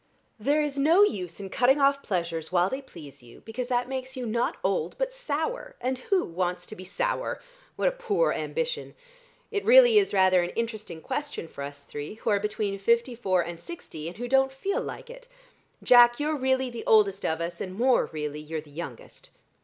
There is no use in cutting off pleasures, while they please you, because that makes you not old but sour, and who wants to be sour? What a poor ambition! It really is rather an interesting question for us three, who are between fifty four and sixty, and who don't feel like it. Jack, you're really the oldest of us, and more really you're the youngest."